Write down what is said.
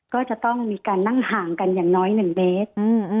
ก็จะต้องมีการนั่งห่างกันอย่างน้อย๑เมตร